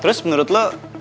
terus menurut lo